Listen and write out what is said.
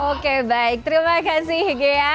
oke baik terima kasih ghea